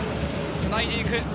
つないでいく。